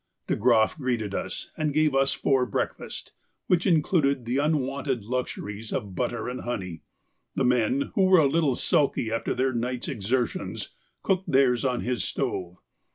De Groff greeted us, and gave us four breakfast, which included the unwonted luxuries of butter and honey; the men, who were a little sulky after their night's exertions, cooked theirs on his stove.